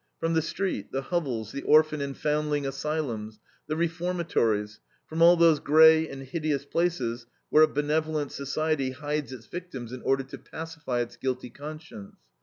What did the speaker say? From the street, the hovels, the orphan and foundling asylums, the reformatories, from all those gray and hideous places where a benevolent society hides its victims in order to pacify its guilty conscience.